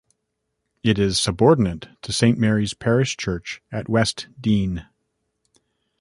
It is subordinate to Saint Mary's parish church at West Dean.